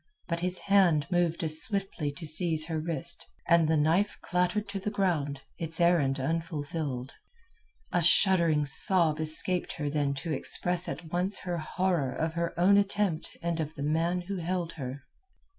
But his hand moved as swiftly to seize her wrist, and the knife clattered to the ground, its errand unfulfilled. A shuddering sob escaped her then to express at once her horror of her own attempt and of the man who held her.